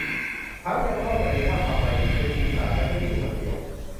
ทั้งยังโทษตัวเองว่าทำไมจึงได้ทิ้งหลานไว้ให้อยู่คนเดียว